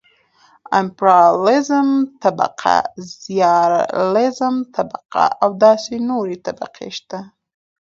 امپرياليزم طبقه ،رياليزم طبقه او داسې نورې طبقې شته .